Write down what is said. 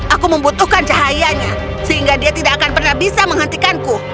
aku membutuhkan cahayanya sehingga dia tidak akan pernah bisa menghentikanku